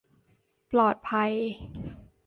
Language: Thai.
ปลอดภัย